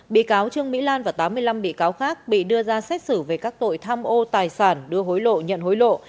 bị cáo trương mỹ lan và tám mươi năm bị cáo khác bị đưa ra xét xử về các tội tham ô tài sản đưa hối lộ nhận hối lộ